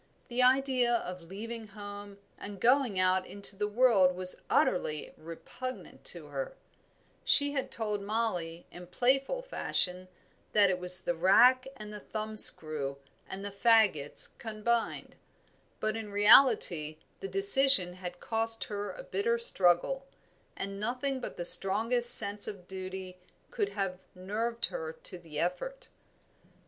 The idea of leaving home and going out into the world was utterly repugnant to her; she had told Mollie in playful fashion that it was the rack and the thumb screw and the faggots combined; but in reality the decision had cost her a bitter struggle, and nothing but the strongest sense of duty could have nerved her to the effort.